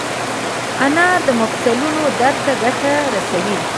انار د مفصلونو درد ته ګټه رسوي.